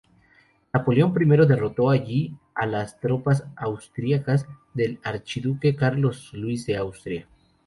Napoleón I derrotó allí a las tropas austriacas del archiduque Carlos Luis de Austria.